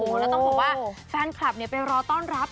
โอ้โหแล้วต้องบอกว่าแฟนคลับเนี่ยไปรอต้อนรับ